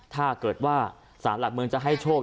ถ้าเกิดว่าสารหลักเมืองจะให้โชค